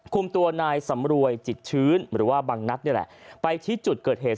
คุมตัวนายสำรวยจิตชื้นหรือบังนัดไปชี้จุดเกิดเหตุ